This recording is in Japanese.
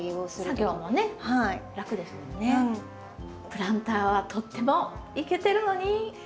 プランターはとってもイケてるのに。